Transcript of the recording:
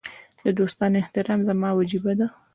د دوستانو احترام زما وجیبه ده.